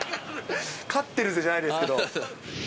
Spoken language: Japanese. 勝ってるぜじゃないですけど。